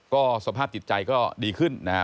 ก็สภาพติดใจก็ดีขึ้นนะฮะ